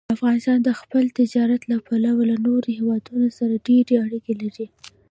افغانستان د خپل تاریخ له پلوه له نورو هېوادونو سره ډېرې اړیکې لري.